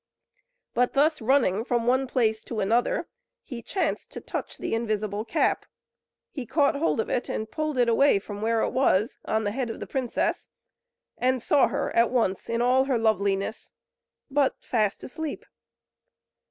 But thus running from one place to another he chanced to touch the invisible cap; he caught hold of it, and pulled it away from where it was, on the head of the princess, and saw her at once in all her loveliness, but fast asleep.